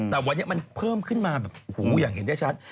แต่วันนี้มันเพิ่มขึ้นมาแบบหูอย่างเห็นได้ชัด